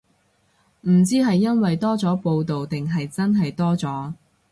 唔知係因為多咗報導定係真係多咗